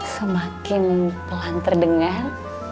semakin pelan terdengar